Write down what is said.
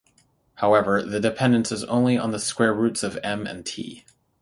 However, the dependence is only on the square roots of "m" and "T".